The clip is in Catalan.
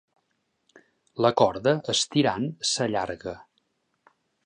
La corda, estirant, s'allarga.